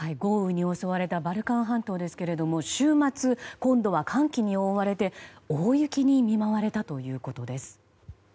豪雨に襲われたバルカン半島ですけれども週末、今度は寒気に覆われて大雪に見舞われたということです。